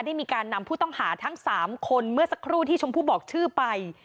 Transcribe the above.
ได้มีการนำผู้ต้องหาทั้ง๓คนเมื่อสักครู่ที่ชมพู่บอกชื่อไป